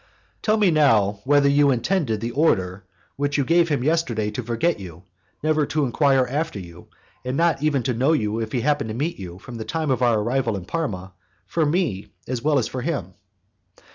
"Tell me now whether you intended the order which you gave him yesterday to forget you, never to enquire after you; and even not to know you if he happened to meet you, from the time of our arrival in Parma, for me as well as for him."